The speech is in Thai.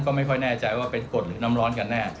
ก็ไม่ค่อยแน่ใจว่าเป็นกดหรือน้ำร้อนกันแน่